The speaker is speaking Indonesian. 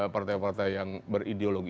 partai partai yang berideologi